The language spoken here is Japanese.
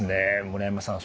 村山さん